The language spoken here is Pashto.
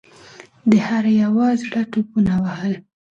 د هر یوه زړه ټوپونه وهل.